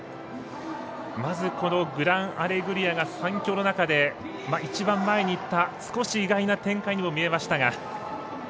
まず、グランアレグリアが３強の中で一番前にいった少し意外な展開にも見えましたが。